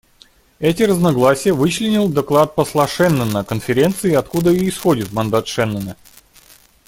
Эти разногласия вычленил доклад посла Шеннона Конференции, откуда и исходит мандат Шеннона.